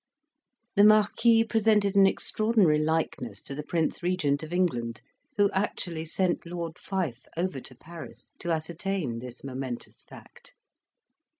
The Marquis presented an extraordinary likeness to the Prince Regent of England, who actually sent Lord Fife over to Paris to ascertain this momentous fact.